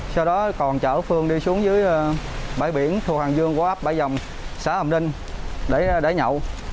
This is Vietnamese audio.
sau đó còn chở phương đi xuống dưới bãi biển thuộc hàng dương qua áp bãi dòng xã hồng đinh để nhậu